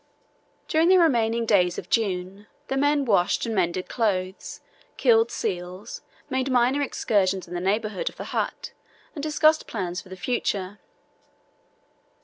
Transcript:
During the remaining days of June the men washed and mended clothes, killed seals, made minor excursions in the neighbourhood of the hut, and discussed plans for the future.